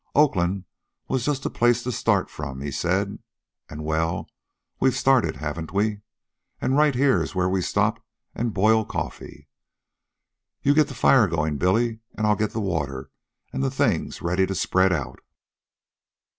Oakland was just a place to start from, he said. And, well, we've started, haven't we? And right here's where we stop and boil coffee. You get the fire going, Billy, and I'll get the water and the things ready to spread out."